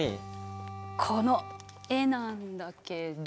この絵なんだけど。